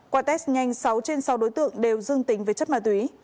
qua test nhanh sáu trên sáu đối tượng đều dương tính với chất ma túy